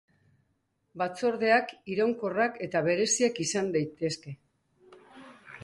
Batzordeak iraunkorrak eta bereziak izan daitezke.